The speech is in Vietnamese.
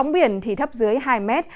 biển thì thấp dưới hai mét